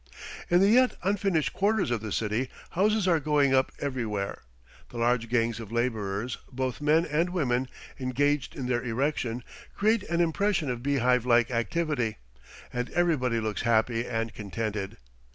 In the yet unfinished quarters of the city, houses are going up everywhere, the large gangs of laborers, both men and women, engaged in their erection, create an impression of beehive like activity, and everybody looks happy and contented.